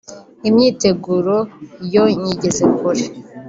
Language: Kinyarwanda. Imyiteguro yo nyigeze kure